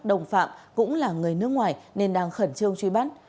đồng phạm cũng là người nước ngoài nên đang khẩn trương truy bắt